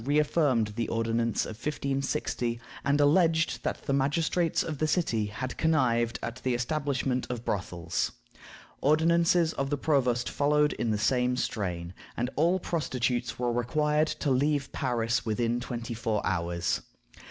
reaffirmed the ordinance of 1560, and alleged that the magistrates of the city had connived at the establishment of brothels. Ordinances of the provost followed in the same strain, and all prostitutes were required to leave Paris within twenty four hours.